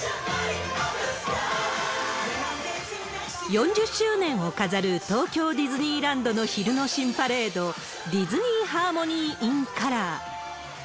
４０周年を飾る東京ディズニーランドの昼の新パレード、ディズニー・ハーモニー・イン・カラー。